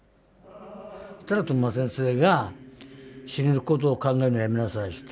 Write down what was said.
そしたらトマス先生が「死ぬことを考えるのやめなさい」つって。